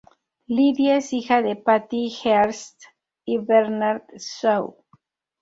Lydia es hija de Patty Hearst y Bernard Shaw.